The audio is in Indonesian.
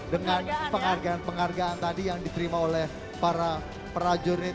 dengan penghargaan penghargaan tadi yang diterima oleh para prajurit